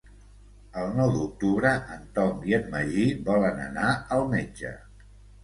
El nou d'octubre en Tom i en Magí volen anar al metge.